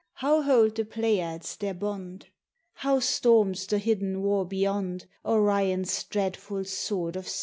How hold the Pleiades their bond? How storms the hidden war beyond Orion's dreadful sword of suns?